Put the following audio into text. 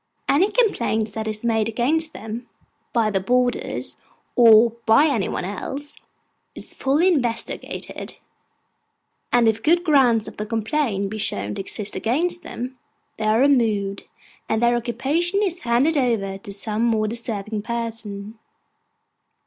Any complaint that is made against them, by the boarders, or by any one else, is fully investigated; and if good ground of complaint be shown to exist against them, they are removed, and their occupation is handed over to some more deserving person.